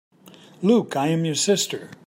Luke, I am your sister!